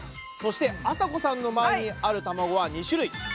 そしてあさこさんの前にある卵は２種類。